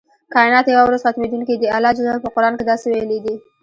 کائنات یوه ورځ ختمیدونکي دي الله ج په قران کې داسې ویلي دی.